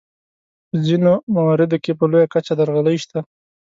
په ځینو مواردو کې په لویه کچه درغلۍ شته.